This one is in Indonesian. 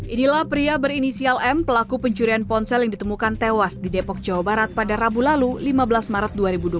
inilah pria berinisial m pelaku pencurian ponsel yang ditemukan tewas di depok jawa barat pada rabu lalu lima belas maret dua ribu dua puluh